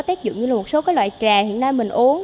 tác dụng như một số loại trà hiện nay mình uống